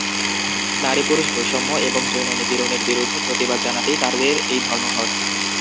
নারী পুরুষের বৈষম্য এবং যৌন নিপীড়নের বিরুদ্ধে প্রতিবাদ জানাতেই তাঁদের এই ধর্মঘট।